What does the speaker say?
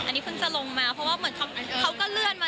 อันนี้เพิ่งจะลงมาเพราะว่าเหมือนเขาก็เลื่อนมา